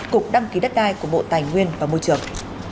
cục đăng ký đất đai của bộ tài nguyên và môi trường